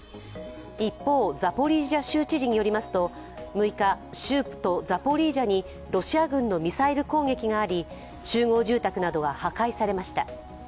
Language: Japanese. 一方、ザポリージャ州知事によりますと６日、州都ザポリージャにロシア軍のミサイル攻撃があり、集合住宅などが破壊されました。